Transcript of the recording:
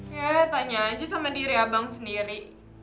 ya tanya aja sama diri abang sendiri